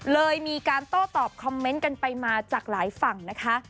เลยมีการโต้ตอบคอมเมนต์กันไปมาจากหลายฝั่งนะคะ